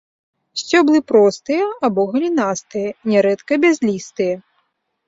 Сцёблы простыя або галінастыя, нярэдка бязлістыя.